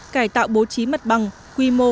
cải tạo bố trí mặt bằng quy mô